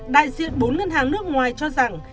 đại diện bốn ngân hàng nước ngoài cho rằng